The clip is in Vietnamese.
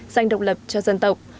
dành độc lập cho dân tộc